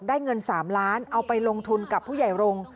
เงิน๓ล้านเอาไปลงทุนกับผู้ใหญ่รงค์